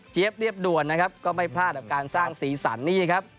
เรียบด่วนนะครับก็ไม่พลาดกับการสร้างสีสันนี่ครับ